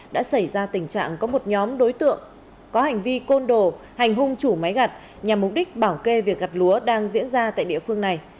đã xảy ra tình trạng có một nhóm đối tượng có hành vi côn đồ hành hung chủ máy gặt nhằm mục đích bảo kê việc gặt lúa đang diễn ra tại địa phương này